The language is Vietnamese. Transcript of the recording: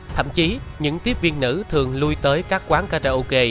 thậm chí những tiếp viên nữ thường lui tới các quán karaoke